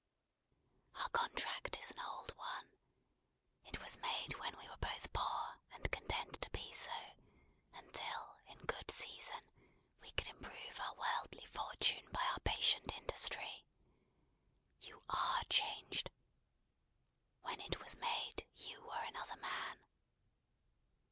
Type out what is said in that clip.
"Our contract is an old one. It was made when we were both poor and content to be so, until, in good season, we could improve our worldly fortune by our patient industry. You are changed. When it was made, you were another man."